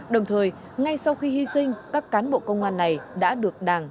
đồng thời ngay sau khi hy sinh các cán bộ công an này đã được đảng